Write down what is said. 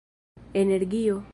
energio